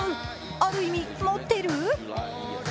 ある意味、持ってる？